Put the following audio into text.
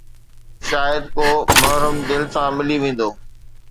شايد ڪو محرم دل سان ملي ويندو